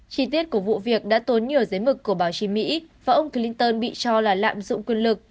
chi tiết của vụ việc đã tốn nhiều giấy mực của báo chí mỹ và ông clinton bị cho là lạm dụng quyền lực